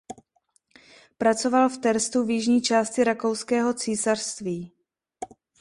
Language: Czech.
Pracoval v Terstu v jižní části Rakouského císařství.